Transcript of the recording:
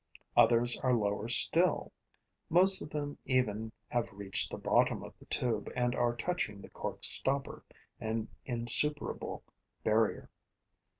Others are lower still; most of them even have reached the bottom of the tube and are touching the cork stopper, an insuperable barrier.